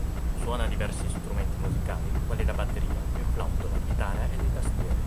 Suona diversi strumenti musicali quali la batteria, il flauto, la chitarra e le tastiere.